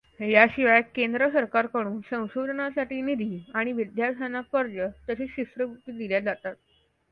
याशिवाय केंद्र सरकारकडून संशोधनासाठी निधी आणि विद्यार्थ्यांना कर्ज तसेच शिष्यवृत्ती दिल्या जातात.